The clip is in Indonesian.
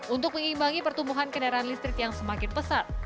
untuk mengimbangi pertumbuhan kendaraan listrik yang semakin pesat